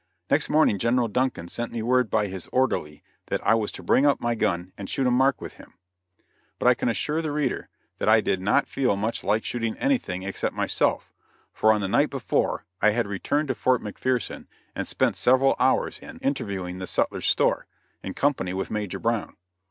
Next morning General Duncan sent me word by his orderly that I was to bring up my gun and shoot at a mark with him; but I can assure the reader that I did not feel much like shooting anything except myself, for on the night before, I had returned to Fort McPherson and spent several hours in interviewing the sutler's store, in Company with Major Brown.